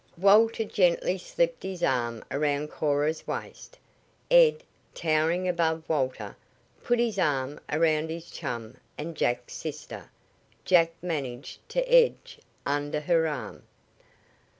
Walter gently slipped his arm around Cora's waist. Ed, towering above Walter, put his arm around his chum and Jack's sister. Jack managed to edge under her arm.